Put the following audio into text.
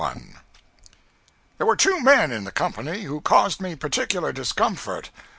CHAPTER XXXI. There were two men in the company who caused me particular discomfort.